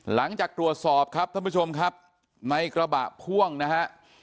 หลังจากตรวจสอบครับท่านผู้ชมครับในกระบะพ่วงนะฮะ